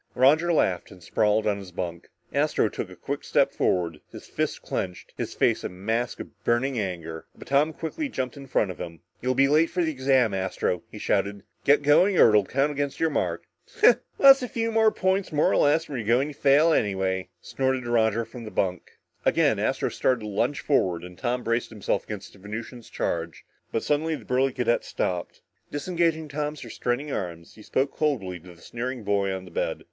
Roger laughed and sprawled on his bunk. Astro took a quick step forward, his fists clenched, his face a mask of burning anger, but Tom quickly jumped in front of him. "You'll be late for the exam, Astro!" he shouted. "Get going or it'll count against your mark!" "Huh. What's a few points more or less when you're going to fail anyway," snorted Roger from the bunk. Again, Astro started to lunge forward and Tom braced himself against the Venusian's charge, but suddenly the burly cadet stopped. Disengaging Tom's restraining arms, he spoke coldly to the sneering boy on the bed.